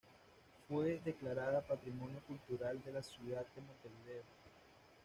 Fue declarada Patrimonio Cultural de la Ciudad de Montevideo.